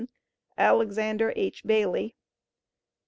ALEXANDER H. BAYLY.